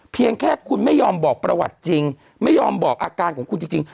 เพียงแค่คุณไม่ยอมบอกประวัติจริงไม่ยอมบอกอาการของคุณจริง